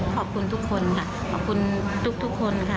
ขอบคุณทุกคนค่ะขอบคุณทุกคนค่ะ